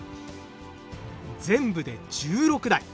全部で１６台。